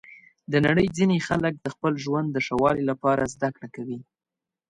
د نړۍ ځینې خلک د خپل ژوند د ښه والي لپاره زده کړه کوي.